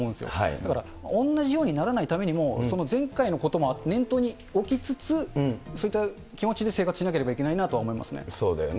だから同じようにならないためにも、前回のことも念頭に置きつつ、そういった気持ちで生活しなければいけないなとは思いますね。